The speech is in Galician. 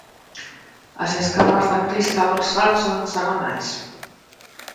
As escamas da crista dorsal son hexagonais.